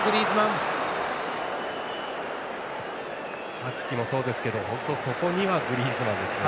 さっきもそうですけど本当にそこにはグリーズマンですね。